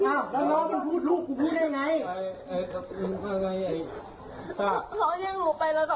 เธอตกใจมากโทรหาพ่อตามมาได้ทันเวลาพอดีเลย